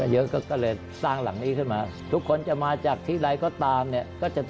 ชุบอยู่หลักศานนี่